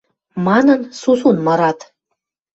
манын, сусун мырат.